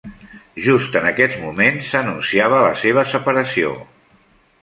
Just en aquests moments s'anunciava la seva separació.